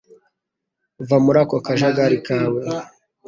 va muri ako kajagari kawe.